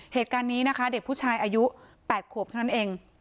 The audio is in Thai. เหตุการณ์นี้นะคะเด็กผู้ชายอายุ๘ขวบเท่านั้นเอง